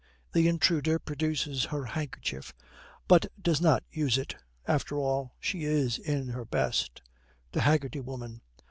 The intruder produces her handkerchief, but does not use it. After all, she is in her best. THE HAGGERTY WOMAN.